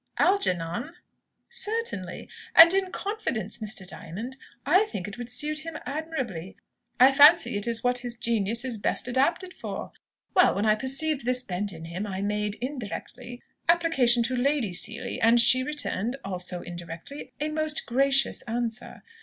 "Algernon?" "Certainly! And, in confidence, Mr. Diamond, I think it would suit him admirably. I fancy it is what his genius is best adapted for. Well, when I perceived this bent in him, I made indirectly application to Lady Seely, and she returned also indirectly a most gracious answer.